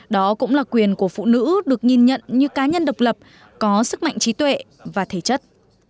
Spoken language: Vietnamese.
đó cũng là quyền của phụ nữ được nhìn nhận như cá nhân độc lập có sức mạnh trí tuệ và thể chất